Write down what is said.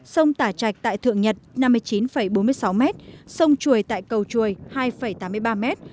sông tả trạch tại thượng nhật năm mươi chín bốn mươi sáu m sông chuồi tại cầu chuồi hai tám mươi ba m